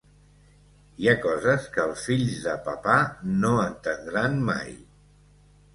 Hi ha coses que els fills de papà no entendran mai.